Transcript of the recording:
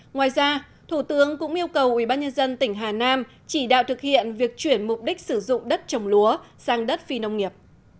ngoài ra thủ tướng cũng yêu cầu ủy ban nhân dân tỉnh hà nam chỉ đạo thực hiện việc chuyển mục đích sử dụng đất trồng lúa sang đất phi nông nghiệp